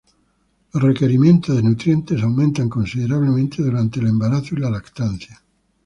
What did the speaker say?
Los requerimientos de nutrientes aumentan considerablemente durante el embarazo y la lactancia.